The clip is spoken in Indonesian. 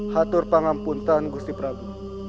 hatur pangampuntan gusti prabu